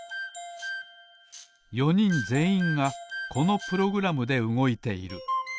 ４にんぜんいんがこのプログラムでうごいている。